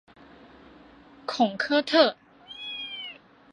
孔科特。